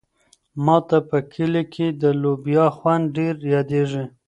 ما ته په کلي کې د لوبیا خوند ډېر یادېږي.